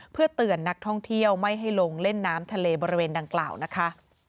เพื่อเตือนนักท่องเที่ยวไม่ให้ลงเล่นน้ำทะเลบริเวณดังกล่าวนะคะ